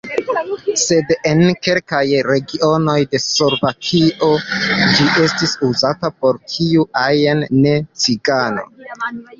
Sed en kelkaj regionoj de Slovakio ĝi estis uzata por kiu ajn ne-cigano.